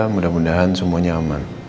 mudah mudahan semuanya aman